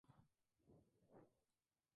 La floración se produce en enero.